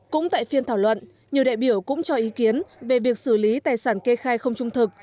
cũng tại phiên thảo luận nhiều đại biểu cũng cho ý kiến về việc xử lý tài sản kê khai không trung thực